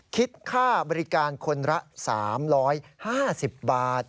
คิดค่าบริการคนละ๓๕๐บาท